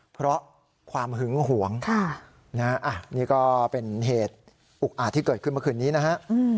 เพราะความหึงหวงนี่ก็เป็นเหตุอุกอาจที่เกิดขึ้นเมื่อคืนนี้นะฮะ